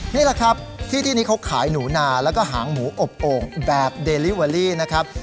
นี่แหละครับที่ที่นี้เขาขายหนูนาแล้วก็หางหมูอบโอ่งแบบเดลิเวอรี่นะครับ